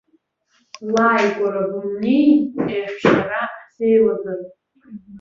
Лааигәара бымнеин еҳәшьара ҳзеилазар.